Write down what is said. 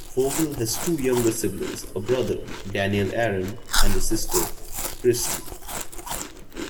Vogel has two younger siblings: a brother, Daniel Aaron, and a sister, Kristin.